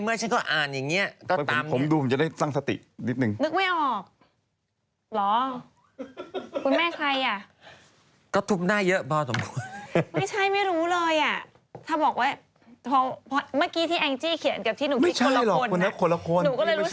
ไม่ใช่คนที่แองจี้เขียน